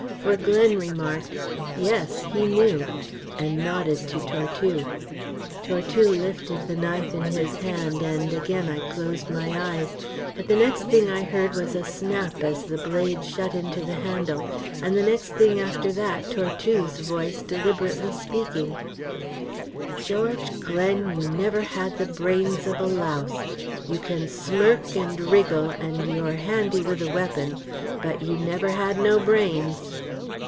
For Glen remarked, "Yes, he knew," and nodded to Tortue: Tortue lifted the knife in his hand, and again I closed my eyes. But the next thing I heard was a snap as the blade shut into the handle, and the next thing after that Tortue's voice deliberately speaking: "George Glen, you never had the brains of a louse. You can smirk and wriggle, and you're handy with a weapon, but, you never had no brains."